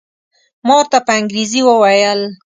ما ورته په انګریزي وویل.